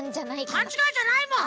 かんちがいじゃないもん！